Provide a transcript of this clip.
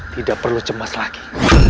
tidak perlu cemas lagi